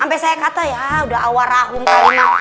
sampai saya kata ya udah awal rahum kali pak